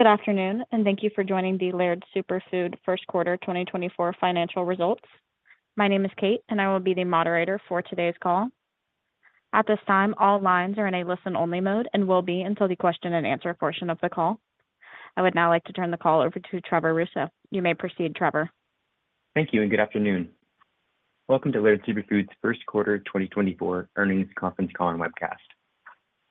Good afternoon, and thank you for joining the Laird Superfood Q1 2024 Financial Results. My name is Kate, and I will be the moderator for today's call. At this time, all lines are in a listen-only mode and will be until the question-and-answer portion of the call. I would now like to turn the call over to Trevor Ross. You may proceed, Trevor. Thank you, and good afternoon. Welcome to Laird Superfood's Q1 2024 earnings conference call and webcast.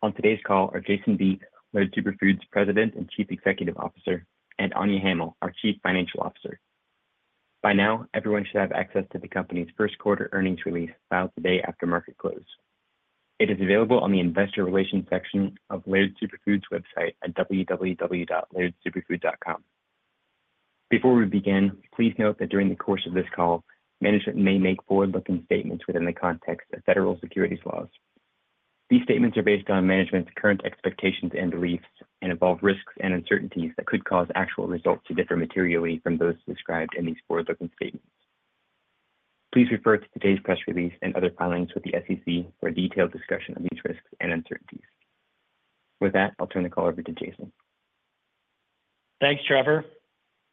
On today's call are Jason Vieth, Laird Superfood's President and Chief Executive Officer, and Anya Hamil, our Chief Financial Officer. By now, everyone should have access to the company's Q1 earnings release filed today after market close. It is available on the Investor Relations section of Laird Superfood's website at www.lairdsuperfood.com. Before we begin, please note that during the course of this call, management may make forward-looking statements within the context of federal securities laws. These statements are based on management's current expectations and beliefs and involve risks and uncertainties that could cause actual results to differ materially from those described in these forward-looking statements. Please refer to today's press release and other filings with the SEC for a detailed discussion of these risks and uncertainties. With that, I'll turn the call over to Jason. Thanks, Trevor.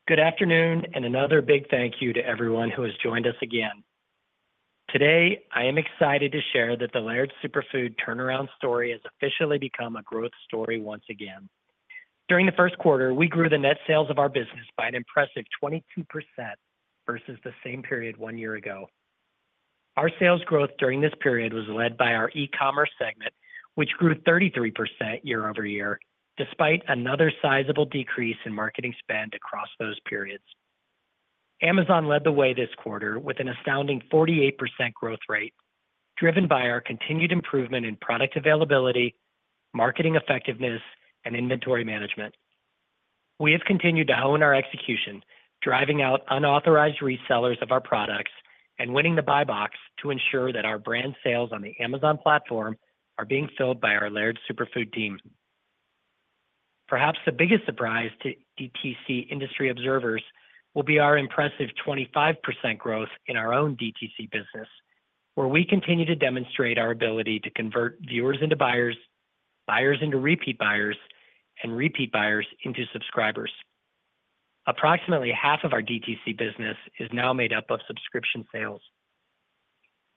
Good afternoon, and another big thank you to everyone who has joined us again. Today, I am excited to share that the Laird Superfood turnaround story has officially become a growth story once again. During the Q1, we grew the net sales of our business by an impressive 22% versus the same period one year ago. Our sales growth during this period was led by our E-commerce segment, which grew 33% year-over-year despite another sizable decrease in marketing spend across those periods. Amazon led the way this quarter with an astounding 48% growth rate, driven by our continued improvement in product availability, marketing effectiveness, and inventory management. We have continued to hone our execution, driving out unauthorized resellers of our products and winning the Buy Box to ensure that our brand sales on the Amazon platform are being filled by our Laird Superfood team. Perhaps the biggest surprise to DTC industry observers will be our impressive 25% growth in our own DTC business, where we continue to demonstrate our ability to convert viewers into buyers, buyers into repeat buyers, and repeat buyers into subscribers. Approximately half of our DTC business is now made up of subscription sales.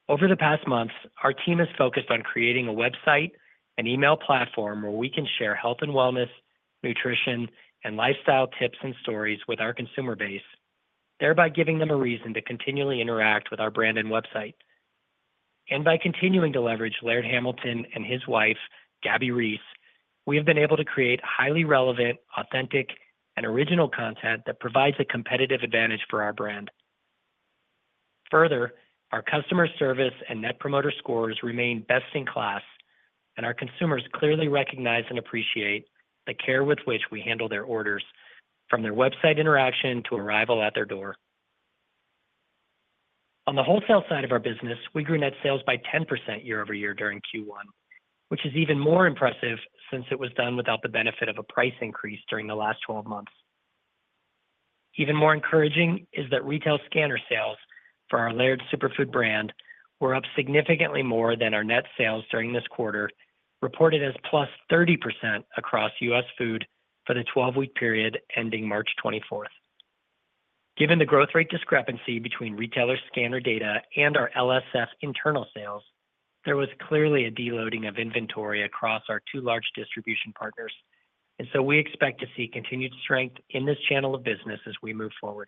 Over the past months, our team has focused on creating a website and email platform where we can share health and wellness, nutrition, and lifestyle tips and stories with our consumer base, thereby giving them a reason to continually interact with our brand and website. And by continuing to leverage Laird Hamilton and his wife, Gabby Reece, we have been able to create highly relevant, authentic, and original content that provides a competitive advantage for our brand. Further, our customer service and Net Promoter Scores remain best in class, and our consumers clearly recognize and appreciate the care with which we handle their orders, from their website interaction to arrival at their door. On the Wholesale side of our business, we grew net sales by 10% year-over-year during Q1, which is even more impressive since it was done without the benefit of a price increase during the last 12 months. Even more encouraging is that retail scanner sales for our Laird Superfood brand were up significantly more than our net sales during this quarter, reported as +30% across U.S. food for the 12-week period ending March 24th. Given the growth rate discrepancy between retailer scanner data and our LSF internal sales, there was clearly a deloading of inventory across our two large distribution partners, and so we expect to see continued strength in this channel of business as we move forward.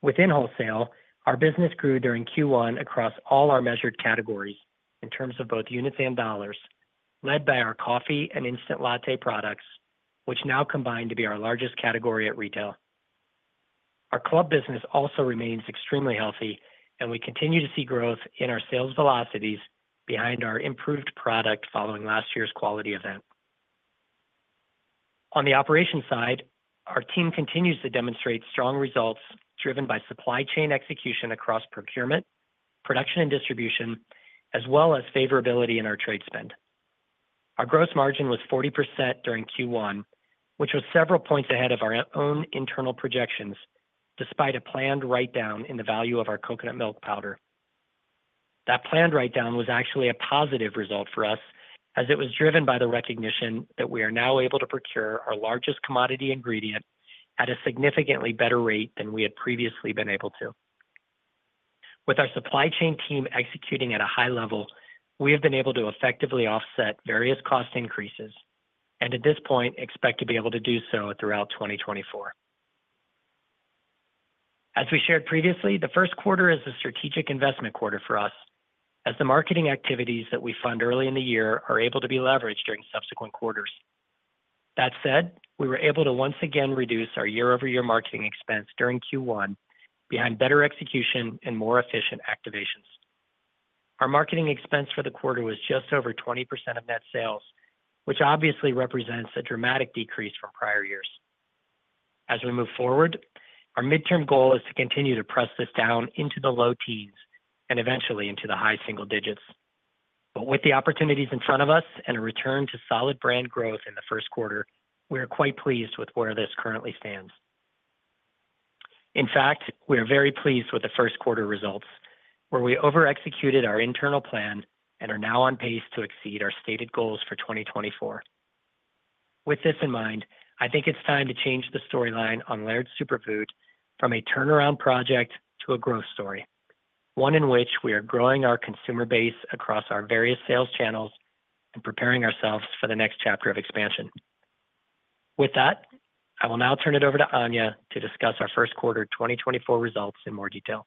Within Wholesale, our business grew during Q1 across all our measured categories in terms of both units and dollars, led by our coffee and instant latte products, which now combine to be our largest category at retail. Our club business also remains extremely healthy, and we continue to see growth in our sales velocities behind our improved product following last year's quality event. On the operations side, our team continues to demonstrate strong results driven by supply chain execution across procurement, production, and distribution, as well as favorability in our trade spend. Our gross margin was 40% during Q1, which was several points ahead of our own internal projections despite a planned write-down in the value of our coconut milk powder. That planned write-down was actually a positive result for us as it was driven by the recognition that we are now able to procure our largest commodity ingredient at a significantly better rate than we had previously been able to. With our supply chain team executing at a high level, we have been able to effectively offset various cost increases and at this point expect to be able to do so throughout 2024. As we shared previously, the Q1 is a strategic investment quarter for us, as the marketing activities that we fund early in the year are able to be leveraged during subsequent quarters. That said, we were able to once again reduce our year-over-year marketing expense during Q1 behind better execution and more efficient activations. Our marketing expense for the quarter was just over 20% of net sales, which obviously represents a dramatic decrease from prior years. As we move forward, our midterm goal is to continue to press this down into the low teens and eventually into the high single digits. But with the opportunities in front of us and a return to solid brand growth in the Q1, we are quite pleased with where this currently stands. In fact, we are very pleased with the Q1 results, where we overexecuted our internal plan and are now on pace to exceed our stated goals for 2024. With this in mind, I think it's time to change the storyline on Laird Superfood from a turnaround project to a growth story, one in which we are growing our consumer base across our various sales channels and preparing ourselves for the next chapter of expansion. With that, I will now turn it over to Anya to discuss our Q1 2024 results in more detail.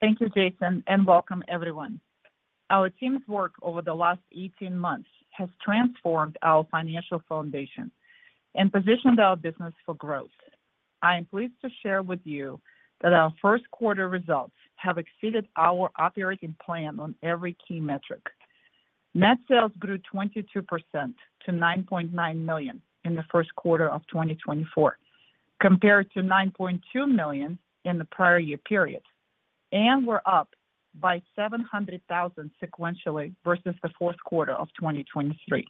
Thank you, Jason, and welcome, everyone. Our team's work over the last 18 months has transformed our financial foundation and positioned our business for growth. I am pleased to share with you that our Q1 results have exceeded our operating plan on every key metric. Net sales grew 22% to $9.9 million in the Q1 of 2024, compared to $9.2 million in the prior year period, and were up by $700,000 sequentially versus the fourth quarter of 2023.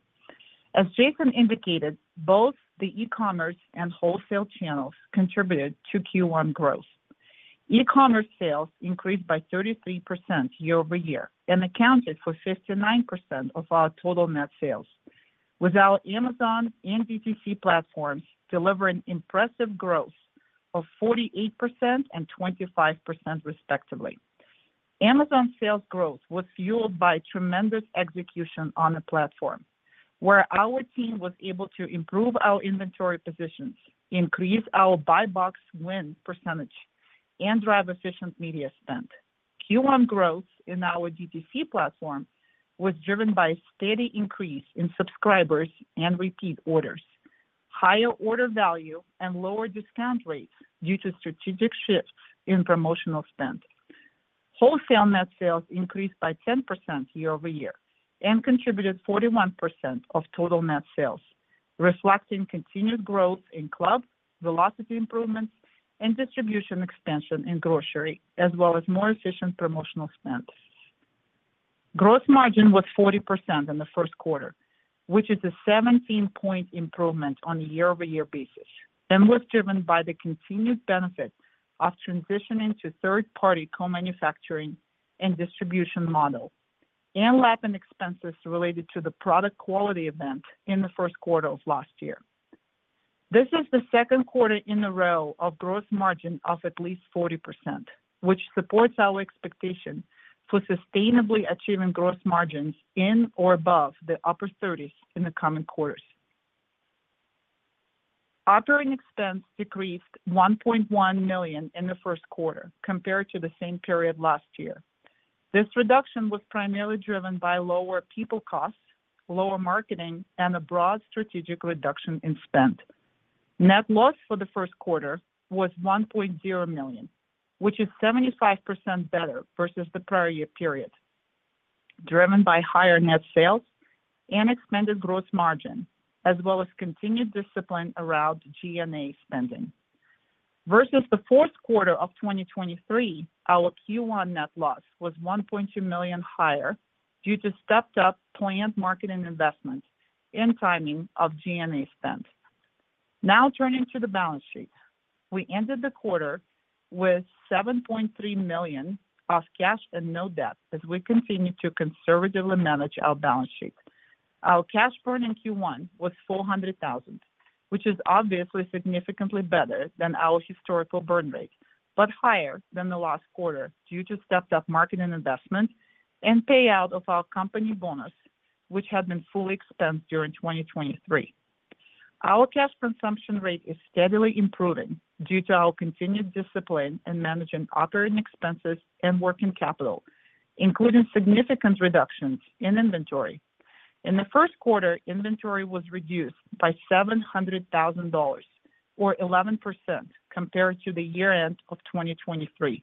As Jason indicated, both the E-commerce and Wholesale channels contributed to Q1 growth. E-commerce sales increased by 33% year-over-year and accounted for 59% of our total net sales, with our Amazon and DTC platforms delivering impressive growth of 48% and 25%, respectively. Amazon sales growth was fueled by tremendous execution on the platform, where our team was able to improve our inventory positions, increase our Buy Box win percentage, and drive efficient media spend. Q1 growth in our DTC platform was driven by a steady increase in subscribers and repeat orders, higher order value, and lower discount rates due to strategic shifts in promotional spend. Wholesale net sales increased by 10% year-over-year and contributed 41% of total net sales, reflecting continued growth in club, velocity improvements, and distribution expansion in grocery, as well as more efficient promotional spend. Gross margin was 40% in the Q1, which is a 17-point improvement on a year-over-year basis and was driven by the continued benefit of transitioning to third-party co-manufacturing and distribution model and lapping expenses related to the product quality event in the Q1 of last year. This is the Q2 in a row of gross margin of at least 40%, which supports our expectation for sustainably achieving gross margins in or above the upper 30s in the coming quarters. Operating expense decreased $1.1 million in the Q1 compared to the same period last year. This reduction was primarily driven by lower people costs, lower marketing, and a broad strategic reduction in spend. Net loss for the Q1 was $1.0 million, which is 75% better versus the prior year period, driven by higher net sales and expanded gross margin, as well as continued discipline around G&A spending. Versus the fourth quarter of 2023, our Q1 net loss was $1.2 million higher due to stepped-up planned marketing investment and timing of G&A spend. Now turning to the balance sheet, we ended the quarter with $7.3 million of cash and no debt as we continue to conservatively manage our balance sheet. Our cash burn in Q1 was $400,000, which is obviously significantly better than our historical burn rate, but higher than the last quarter due to stepped-up marketing investment and payout of our company bonus, which had been fully expensed during 2023. Our cash consumption rate is steadily improving due to our continued discipline in managing operating expenses and working capital, including significant reductions in inventory. In the Q1, inventory was reduced by $700,000, or 11%, compared to the year-end of 2023,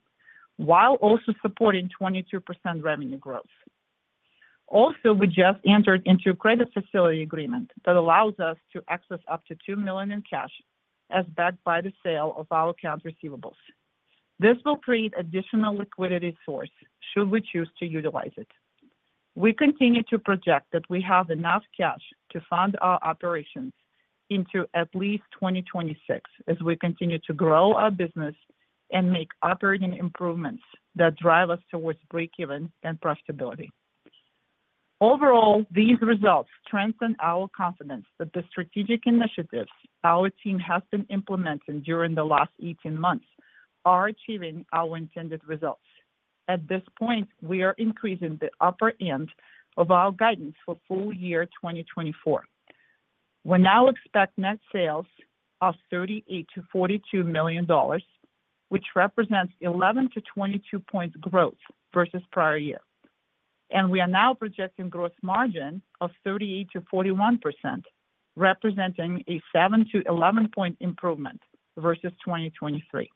while also supporting 22% revenue growth. Also, we just entered into a credit facility agreement that allows us to access up to $2 million in cash as backed by the sale of our accounts receivable. This will create an additional liquidity source should we choose to utilize it. We continue to project that we have enough cash to fund our operations into at least 2026 as we continue to grow our business and make operating improvements that drive us towards break-even and profitability. Overall, these results strengthen our confidence that the strategic initiatives our team has been implementing during the last 18 months are achieving our intended results. At this point, we are increasing the upper end of our guidance for full year 2024. We now expect net sales of $38-$42 million, which represents 11-22 points growth versus prior year, and we are now projecting gross margin of 38%-41%, representing a 7-11-point improvement versus 2023.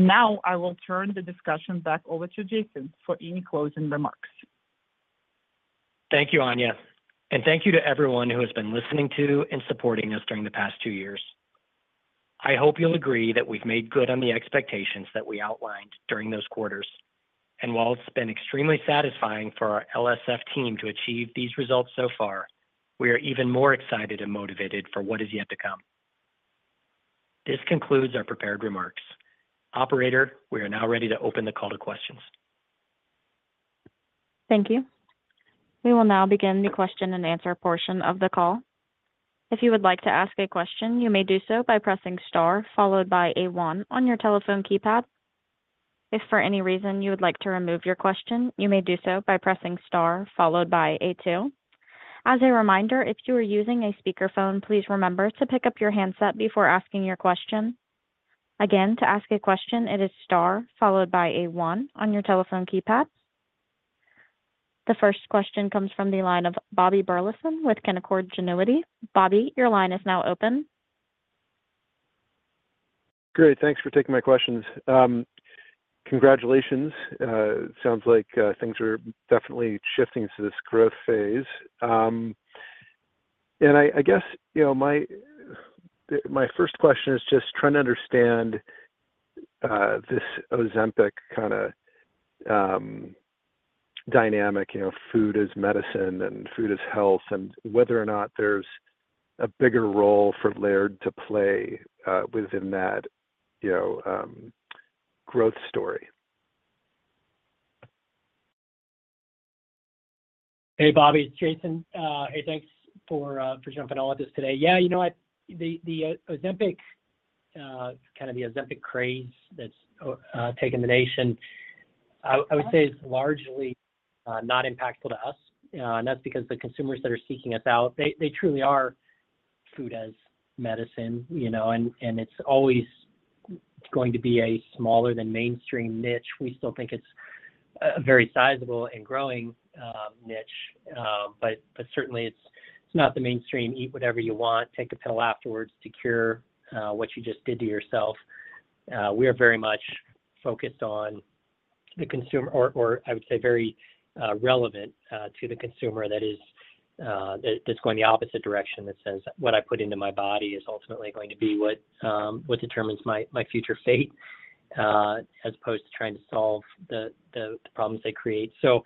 Now I will turn the discussion back over to Jason for any closing remarks. Thank you, Anya, and thank you to everyone who has been listening to and supporting us during the past two years. I hope you'll agree that we've made good on the expectations that we outlined during those quarters, and while it's been extremely satisfying for our LSF team to achieve these results so far, we are even more excited and motivated for what is yet to come. This concludes our prepared remarks. Operator, we are now ready to open the call to questions. Thank you. We will now begin the question-and-answer portion of the call. If you would like to ask a question, you may do so by pressing * followed by A1 on your telephone keypad. If for any reason you would like to remove your question, you may do so by pressing * followed by A2. As a reminder, if you are using a speakerphone, please remember to pick up your handset before asking your question. Again, to ask a question, it is * followed by A1 on your telephone keypad. The first question comes from the line of Bobby Burleson with Canaccord Genuity. Bobby, your line is now open. Great. Thanks for taking my questions. Congratulations. Sounds like things are definitely shifting to this growth phase. And I guess my first question is just trying to understand this Ozempic kind food as medicine and food as health, and whether or not there's a bigger role for Laird to play within that growth story. Hey, Bobby. Jason, hey, thanks for jumping on with us today. Yeah, the kind of the Ozempic craze that's taken the nation, I would say it's largely not impactful to us, and that's because the consumers that are seeking us out, they food as medicine, and it's always going to be a smaller than mainstream niche. We still think it's a very sizable and growing niche, but certainly, it's not the mainstream eat whatever you want, take a pill afterwards to cure what you just did to yourself. We are very much focused on the consumer, or I would say very relevant to the consumer that's going the opposite direction that says what I put into my body is ultimately going to be what determines my future fate, as opposed to trying to solve the problems they create. So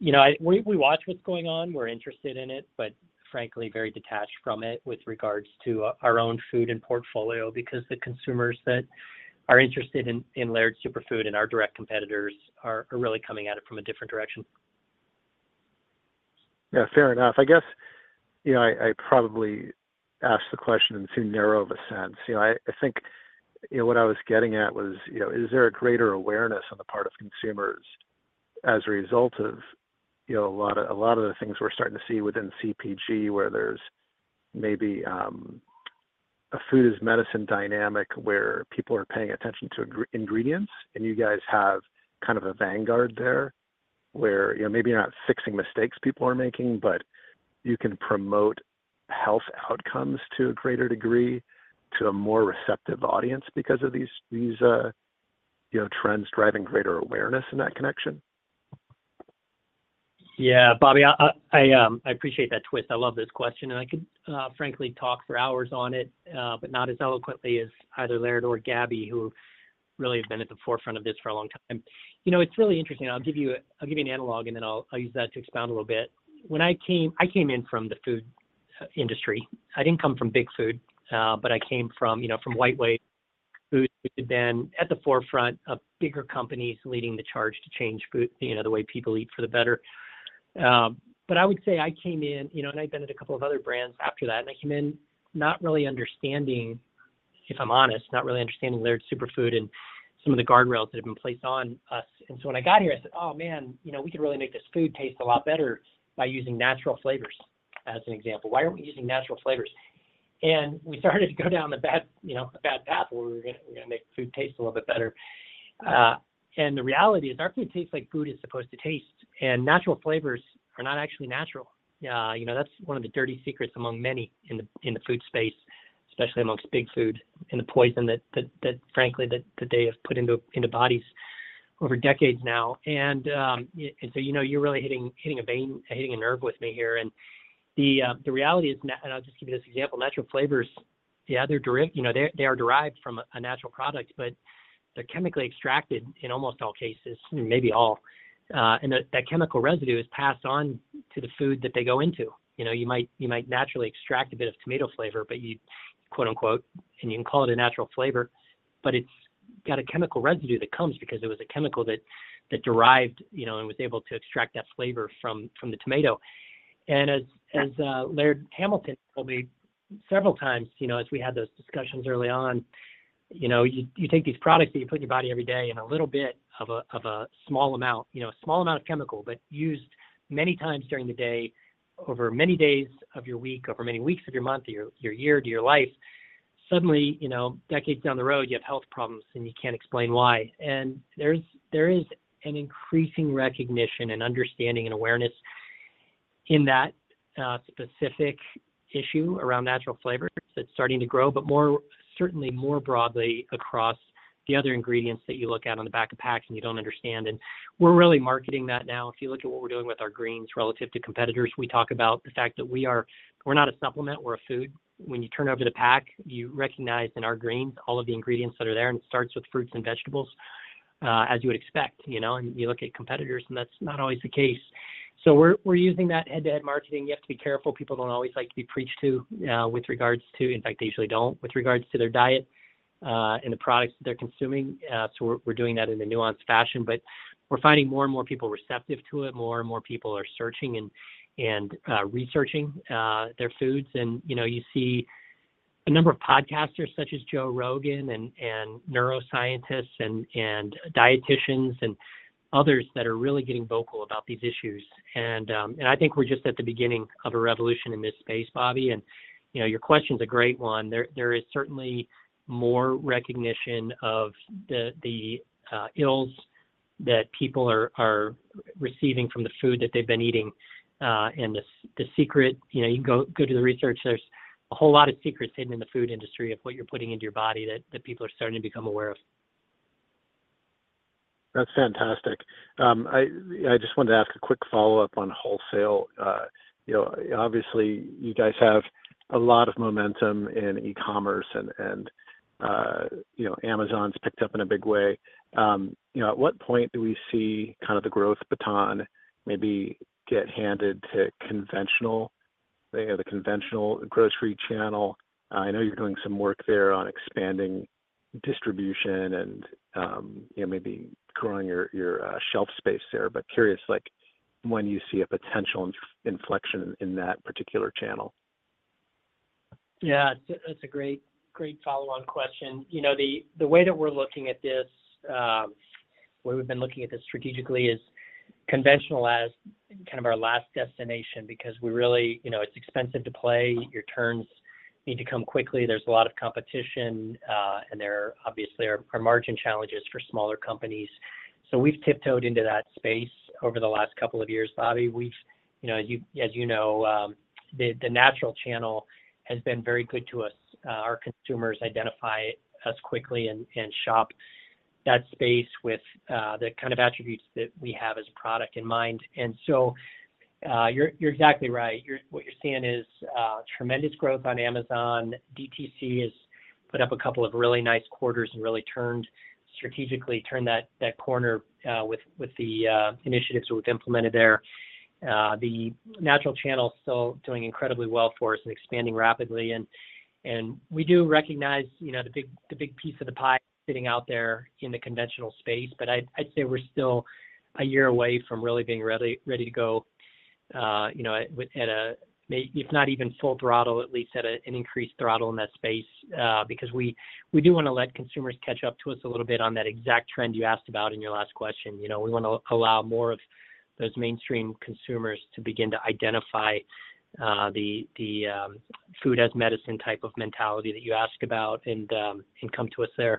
we watch what's going on. We're interested in it, but frankly, very detached from it with regards to our own food and portfolio because the consumers that are interested in Laird Superfood and our direct competitors are really coming at it from a different direction. Yeah, fair enough. I guess I probably asked the question in too narrow of a sense. I think what I was getting at was, is there a greater awareness on the part of consumers as a result of a lot of the things we're starting to see within CPG, where there's food as medicine dynamic where people are paying attention to ingredients, and you guys have kind of a vanguard there, where maybe you're not fixing mistakes people are making, but you can promote health outcomes to a greater degree to a more receptive audience because of these trends driving greater awareness in that connection? Yeah, Bobby, I appreciate that twist. I love this question, and I could frankly talk for hours on it, but not as eloquently as either Laird or Gabby, who really have been at the forefront of this for a long time. It's really interesting. I'll give you an analog, and then I'll use that to expound a little bit. I came in from the food industry. I didn't come from Big Food, but I came from WhiteWave Foods, who had been at the forefront of bigger companies leading the charge to change the way people eat for the better. But I would say I came in, and I'd been at a couple of other brands after that, and I came in not really understanding, if I'm honest, not really understanding Laird Superfood and some of the guardrails that have been placed on us. And so when I got here, I said, "Oh, man, we could really make this food taste a lot better by using natural flavors," as an example. "Why aren't we using natural flavors?" And we started to go down the bad path where we were going to make food taste a little bit better. And the reality is our food tastes like food is supposed to taste, and natural flavors are not actually natural. That's one of the dirty secrets among many in the food space, especially among Big Food, and the poison that, frankly, that they have put into bodies over decades now. And so you're really hitting a vein, hitting a nerve with me here. And the reality is, and I'll just give you this example, natural flavors, yeah, they are derived from a natural product, but they're chemically extracted in almost all cases, maybe all. That chemical residue is passed on to the food that they go into. You might naturally extract a bit of tomato flavor, but you "and you can call it a natural flavor," but it's got a chemical residue that comes because it was a chemical that derived and was able to extract that flavor from the tomato. And as Laird Hamilton told me several times as we had those discussions early on, you take these products that you put in your body every day and a little bit of a small amount, a small amount of chemical, but used many times during the day, over many days of your week, over many weeks of your month, your year, to your life, suddenly, decades down the road, you have health problems and you can't explain why. There is an increasing recognition and understanding and awareness in that specific issue around natural flavors that's starting to grow, but certainly more broadly across the other ingredients that you look at on the back of packs and you don't understand. And we're really marketing that now. If you look at what we're doing with our greens relative to competitors, we talk about the fact that we're not a supplement. We're a food. When you turn over the pack, you recognize in our greens all of the ingredients that are there, and it starts with fruits and vegetables, as you would expect. And you look at competitors, and that's not always the case. So we're using that head-to-head marketing. You have to be careful. People don't always like to be preached to with regards to their diet. In fact, they usually don't, with regards to the products that they're consuming. So we're doing that in a nuanced fashion, but we're finding more and more people receptive to it. More and more people are searching and researching their foods. You see a number of podcasters such as Joe Rogan and neuroscientists and dietitians and others that are really getting vocal about these issues. I think we're just at the beginning of a revolution in this space, Bobby. Your question's a great one. There is certainly more recognition of the ills that people are receiving from the food that they've been eating and the science you can go to the research. There's a whole lot of secrets hidden in the food industry of what you're putting into your body that people are starting to become aware of. That's fantastic. I just wanted to ask a quick follow-up on Wholesale. Obviously, you guys have a lot of momentum in E-commerce, and Amazon's picked up in a big way. At what point do we see kind of the growth baton maybe get handed to the conventional grocery channel? I know you're doing some work there on expanding distribution and maybe growing your shelf space there, but curious, when do you see a potential inflection in that particular channel? Yeah, that's a great follow-on question. The way that we're looking at this, the way we've been looking at this strategically, is conventional as kind of our last destination because it's expensive to play. Your turns need to come quickly. There's a lot of competition, and there obviously are margin challenges for smaller companies. So we've tiptoed into that space over the last couple of years, Bobby. As you know, the Natural Channel has been very good to us. Our consumers identify us quickly and shop that space with the kind of attributes that we have as a product in mind. And so you're exactly right. What you're seeing is tremendous growth on Amazon. DTC has put up a couple of really nice quarters and really strategically turned that corner with the initiatives that we've implemented there. The Natural Channel's still doing incredibly well for us and expanding rapidly. We do recognize the big piece of the pie sitting out there in the conventional space, but I'd say we're still a year away from really being ready to go at a, if not even full throttle, at least at an increased throttle in that space because we do want to let consumers catch up to us a little bit on that exact trend you asked about in your last question. We want to allow more of those mainstream consumers to begin to food as medicine type of mentality that you asked about and come to us there.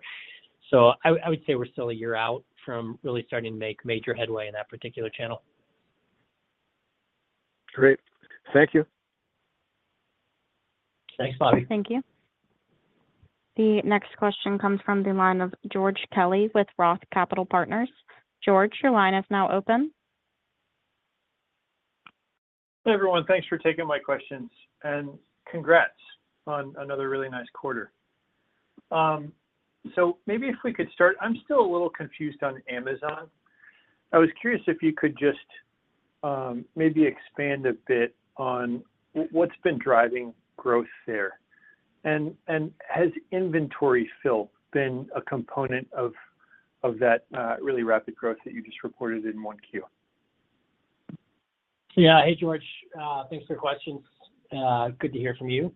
I would say we're still a year out from really starting to make major headway in that particular channel. Great. Thank you. Thanks, Bobby. Thank you. The next question comes from the line of George Kelly with Roth Capital Partners. George, your line is now open. Hey, everyone. Thanks for taking my questions, and congrats on another really nice quarter. Maybe if we could start, I'm still a little confused on Amazon. I was curious if you could just maybe expand a bit on what's been driving growth there. And has inventory fill been a component of that really rapid growth that you just reported in 1Q? Yeah. Hey, George. Thanks for the questions. Good to hear from you.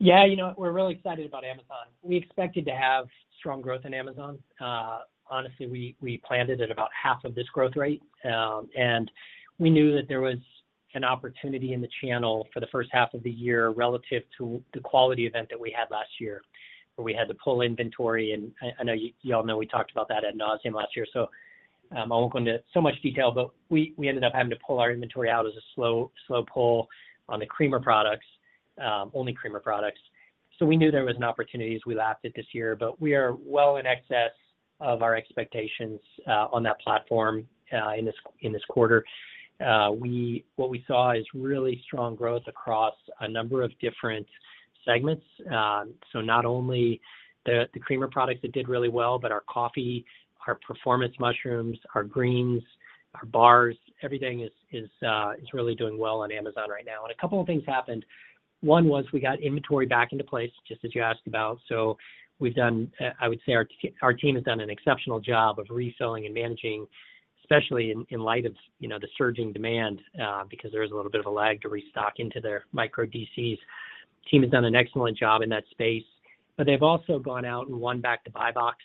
Yeah, you know what? We're really excited about Amazon. We expected to have strong growth in Amazon. Honestly, we planned it at about half of this growth rate, and we knew that there was an opportunity in the channel for the first half of the year relative to the quality event that we had last year where we had to pull inventory. And I know y'all know we talked about that ad nauseam last year, so I won't go into so much detail, but we ended up having to pull our inventory out as a slow pull on the creamer products, only creamer products. So we knew there was an opportunity. We lapped it this year, but we are well in excess of our expectations on that platform in this quarter. What we saw is really strong growth across a number of different segments. So not only the creamer products that did really well, but our coffee, our performance mushrooms, our greens, our bars, everything is really doing well on Amazon right now. And a couple of things happened. One was we got inventory back into place, just as you asked about. So I would say our team has done an exceptional job of refilling and managing, especially in light of the surging demand because there is a little bit of a lag to restock into their micro DCs. The team has done an excellent job in that space, but they've also gone out and won back the Buy Box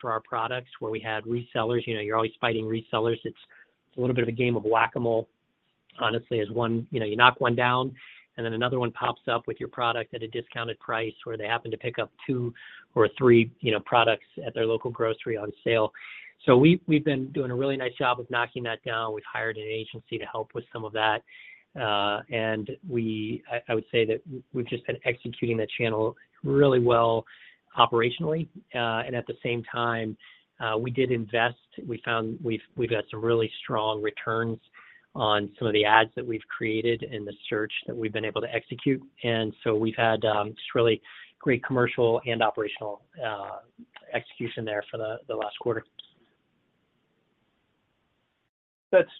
for our products where we had resellers. You're always fighting resellers. It's a little bit of a game of Whac-A-Mole, honestly, as one you knock one down, and then another one pops up with your product at a discounted price where they happen to pick up two or three products at their local grocery on sale. So we've been doing a really nice job of knocking that down. We've hired an agency to help with some of that. And I would say that we've just been executing that channel really well operationally. And at the same time, we did invest. We've got some really strong returns on some of the ads that we've created and the search that we've been able to execute. And so we've had just really great commercial and operational execution there for the last quarter.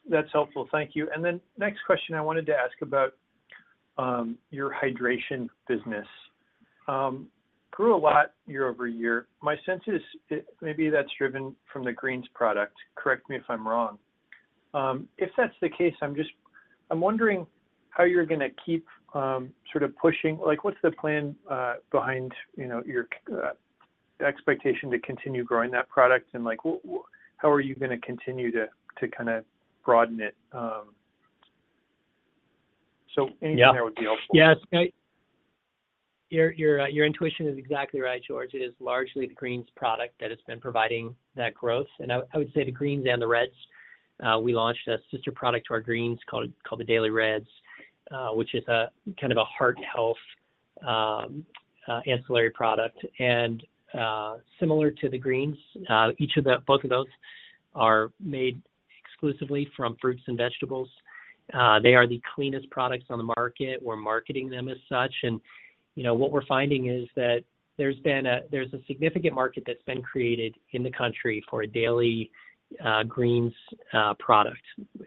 That's helpful. Thank you. Then next question I wanted to ask about your hydration business. Grew a lot year-over-year. My sense is maybe that's driven from the greens product. Correct me if I'm wrong. If that's the case, I'm wondering how you're going to keep sort of pushing. What's the plan behind your expectation to continue growing that product, and how are you going to continue to kind of broaden it? Anything there would be helpful. Yeah. Yeah. Your intuition is exactly right, George. It is largely the greens product that has been providing that growth. And I would say the greens and the reds. We launched a sister product to our greens called the Daily Reds, which is kind of a heart health ancillary product. And similar to the greens, both of those are made exclusively from fruits and vegetables. They are the cleanest products on the market. We're marketing them as such. And what we're finding is that there's a significant market that's been created in the country for a daily greens product.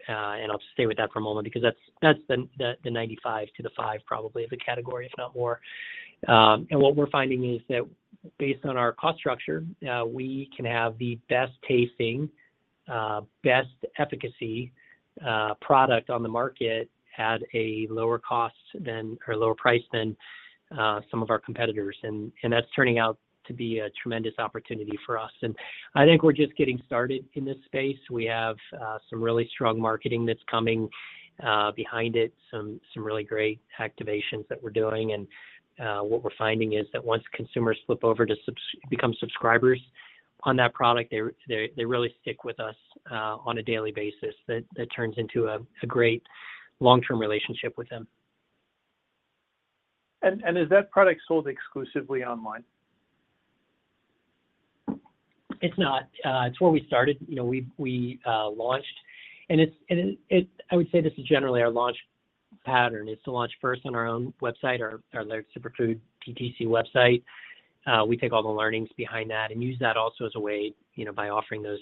And I'll just stay with that for a moment because that's the 95%-5%, probably, of the category, if not more. What we're finding is that based on our cost structure, we can have the best tasting, best efficacy product on the market at a lower cost or lower price than some of our competitors. That's turning out to be a tremendous opportunity for us. I think we're just getting started in this space. We have some really strong marketing that's coming behind it, some really great activations that we're doing. What we're finding is that once consumers flip over to become subscribers on that product, they really stick with us on a daily basis. That turns into a great long-term relationship with them. Is that product sold exclusively online? It's not. It's where we started. We launched. And I would say this is generally our launch pattern. It's to launch first on our own website, our Laird Superfood DTC website. We take all the learnings behind that and use that also as a way by offering those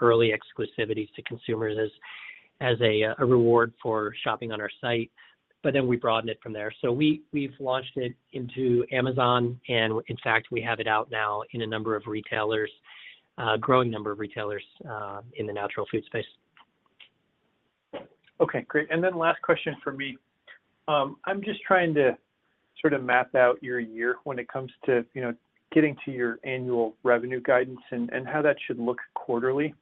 early exclusivities to consumers as a reward for shopping on our site. But then we broaden it from there. So we've launched it into Amazon, and in fact, we have it out now in a number of retailers, a growing number of retailers in the natural food space. Okay. Great. And then last question for me. I'm just trying to sort of map out your year when it comes to getting to your annual revenue guidance and how that should look quarterly.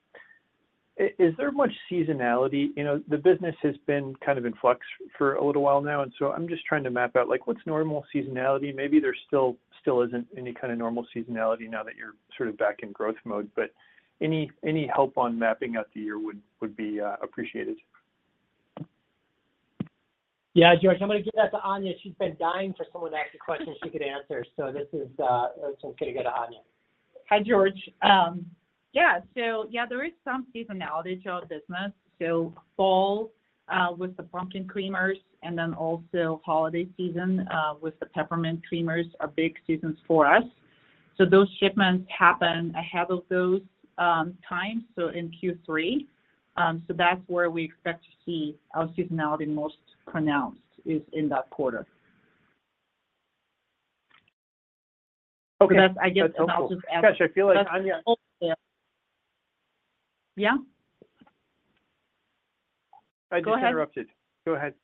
Is there much seasonality? The business has been kind of in flux for a little while now, and so I'm just trying to map out what's normal seasonality. Maybe there still isn't any kind of normal seasonality now that you're sort of back in growth mode, but any help on mapping out the year would be appreciated. Yeah, George. I'm going to give that to Anya. She's been dying for someone to ask a question she could answer. So this one's going to go to Anya. Hi, George. Yeah. So yeah, there is some seasonality to our business. So fall with the pumpkin creamers and then also holiday season with the peppermint creamers are big seasons for us. So those shipments happen ahead of those times, so in Q3. So that's where we expect to see our seasonality most pronounced is in that quarter. So that's, I guess, and I'll just ask. Okay. Gosh, I feel like Anya. That's the Wholesale. Yeah. I just interrupted. Go ahead.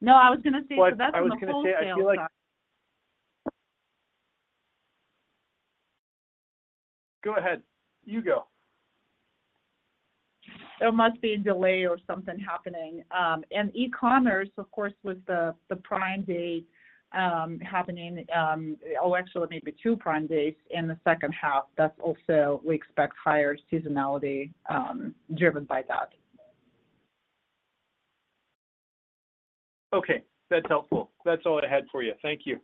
No, I was going to say, so that's the Wholesale side. Well, I was going to say I feel like. Go ahead. You go. There must be a delay or something happening. And E-commerce, of course, with the Prime Day happening. Oh, actually, it may be two Prime Days in the second half. That's also. We expect higher seasonality driven by that. Okay. That's helpful. That's all I had for you. Thank you.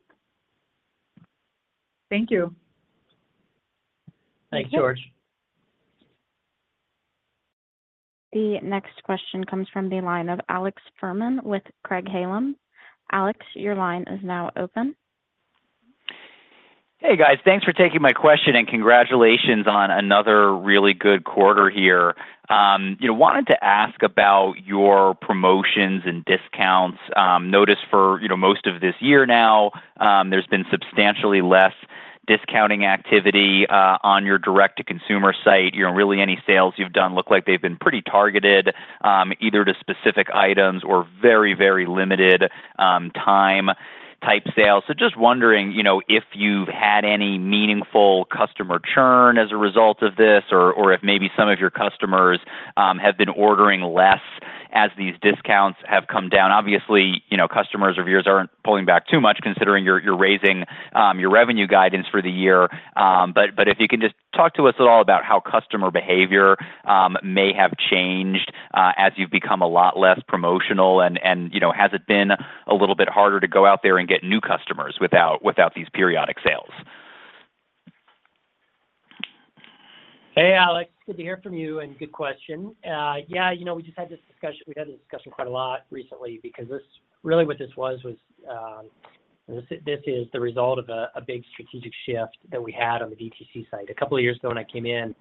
Thank you. Thanks, George. The next question comes from the line of Alex Fuhrman with Craig-Hallum. Alex, your line is now open. Hey, guys. Thanks for taking my question and congratulations on another really good quarter here. Wanted to ask about your promotions and discounts. Notice for most of this year now, there's been substantially less discounting activity on your direct-to-consumer site. Really, any sales you've done look like they've been pretty targeted, either to specific items or very, very limited-time type sales. So just wondering if you've had any meaningful customer churn as a result of this or if maybe some of your customers have been ordering less as these discounts have come down. Obviously, customers of yours aren't pulling back too much considering you're raising your revenue guidance for the year. But if you can just talk to us at all about how customer behavior may have changed as you've become a lot less promotional, and has it been a little bit harder to go out there and get new customers without these periodic sales? Hey, Alex. Good to hear from you and good question. Yeah, we just had this discussion we've had this discussion quite a lot recently because really what this was was this is the result of a big strategic shift that we had on the DTC site. A couple of years ago when I came in,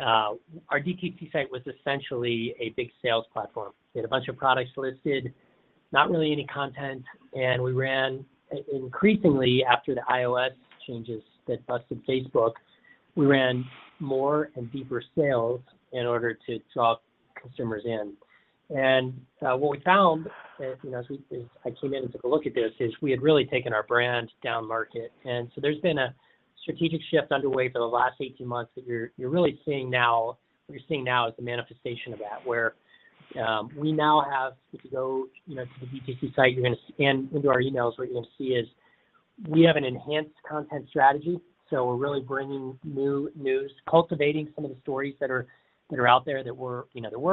our DTC site was essentially a big sales platform. We had a bunch of products listed, not really any content, and we ran increasingly after the iOS changes that busted Facebook, we ran more and deeper sales in order to draw consumers in. And what we found as I came in and took a look at this is we had really taken our brand down market. And so there's been a strategic shift underway for the last 18 months that you're really seeing now. What you're seeing now is the manifestation of that, where we now have, if you go to the DTC site, you're going to scan into our emails, what you're going to see is we have an enhanced content strategy. So we're really bringing new news, cultivating some of the stories that are out there that we're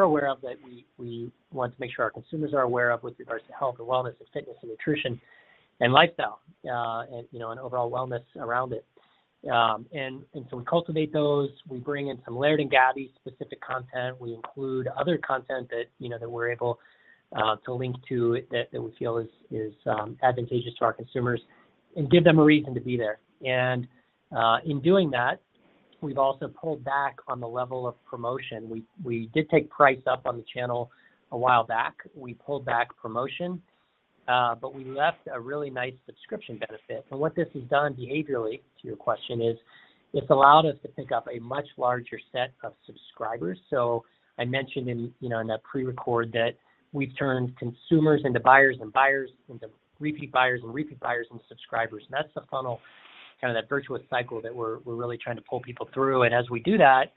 aware of that we want to make sure our consumers are aware of with regards to health and wellness and fitness and nutrition and lifestyle and overall wellness around it. And so we cultivate those. We bring in some Laird and Gabby-specific content. We include other content that we're able to link to that we feel is advantageous to our consumers and give them a reason to be there. And in doing that, we've also pulled back on the level of promotion. We did take price up on the channel a while back. We pulled back promotion, but we left a really nice subscription benefit. And what this has done behaviorally, to your question, is it's allowed us to pick up a much larger set of subscribers. So I mentioned in that prerecord that we've turned consumers into buyers and buyers into repeat buyers and repeat buyers and subscribers. And that's the funnel, kind of that virtuous cycle that we're really trying to pull people through. And as we do that,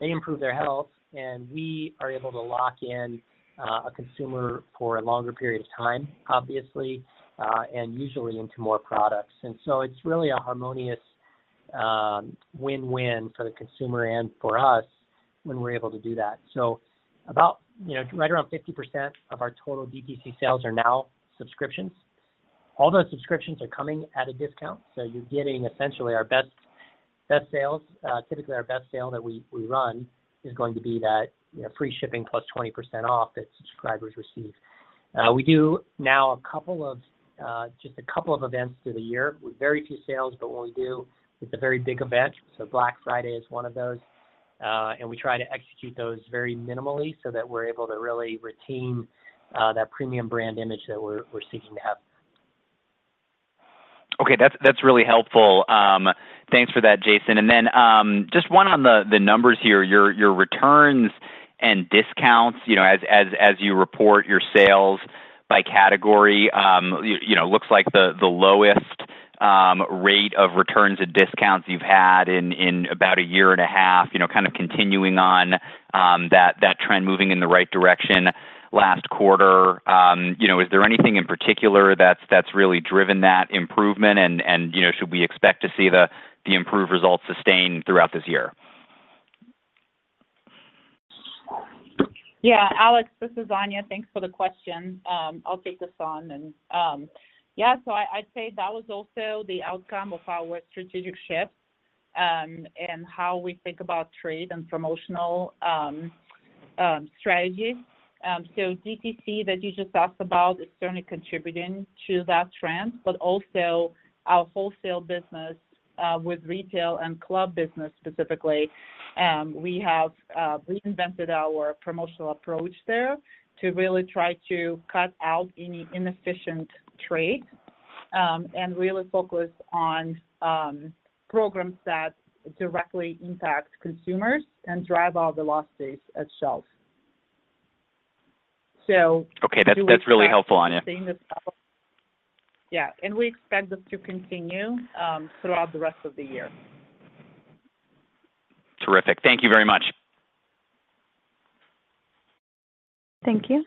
they improve their health, and we are able to lock in a consumer for a longer period of time, obviously, and usually into more products. And so it's really a harmonious win-win for the consumer and for us when we're able to do that. So right around 50% of our total DTC sales are now subscriptions. All those subscriptions are coming at a discount. So you're getting essentially our best sales. Typically, our best sale that we run is going to be that free shipping plus 20% off that subscribers receive. We do now just a couple of events through the year with very few sales, but when we do, it's a very big event. So Black Friday is one of those. And we try to execute those very minimally so that we're able to really retain that premium brand image that we're seeking to have. Okay. That's really helpful. Thanks for that, Jason. And then just one on the numbers here. Your returns and discounts, as you report your sales by category, looks like the lowest rate of returns and discounts you've had in about a year and a half, kind of continuing on that trend moving in the right direction last quarter. Is there anything in particular that's really driven that improvement, and should we expect to see the improved results sustained throughout this year? Yeah. Alex, this is Anya. Thanks for the question. I'll take this on. Yeah, so I'd say that was also the outcome of our strategic shift and how we think about trade and promotional strategies. So DTC that you just asked about is certainly contributing to that trend, but also our Wholesale business with retail and club business specifically. We have reinvented our promotional approach there to really try to cut out any inefficient trade and really focus on programs that directly impact consumers and drive out the lost days at shelves. So. Okay. That's really helpful, Anya. Yeah. And we expect this to continue throughout the rest of the year. Terrific. Thank you very much. Thank you.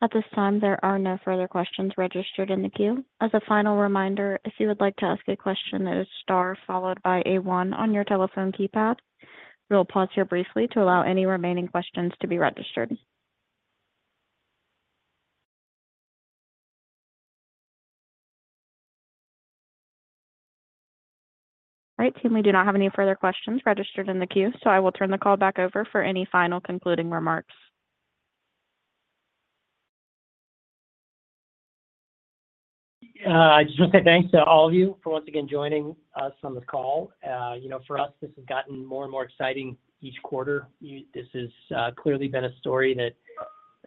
At this time, there are no further questions registered in the queue. As a final reminder, if you would like to ask a question, it is star one on your telephone keypad. We'll pause here briefly to allow any remaining questions to be registered. All right, team. We do not have any further questions registered in the queue, so I will turn the call back over for any final concluding remarks. I just want to say thanks to all of you for once again joining us on this call. For us, this has gotten more and more exciting each quarter. This has clearly been a story that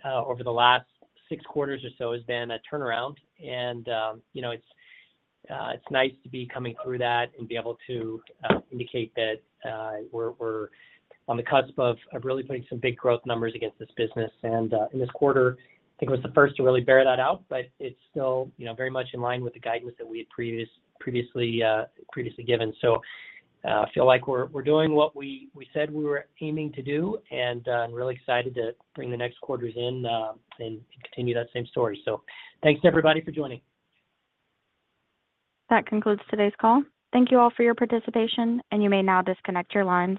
over the last six quarters or so has been a turnaround. It's nice to be coming through that and be able to indicate that we're on the cusp of really putting some big growth numbers against this business. In this quarter, I think it was the first to really bear that out, but it's still very much in line with the guidance that we had previously given. I feel like we're doing what we said we were aiming to do and really excited to bring the next quarters in and continue that same story. Thanks to everybody for joining. That concludes today's call. Thank you all for your participation, and you may now disconnect your lines.